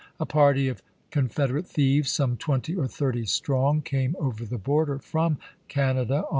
A party of Confederate thieves, some twenty or thirty strong, came over the border from Canada 1864.